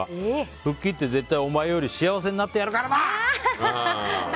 吹っ切って絶対お前より幸せになってやるからな！